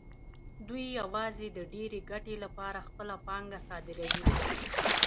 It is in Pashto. دوی یوازې د ډېرې ګټې لپاره خپله پانګه صادروي